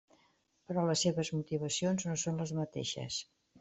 Però les seves motivacions no són les mateixes.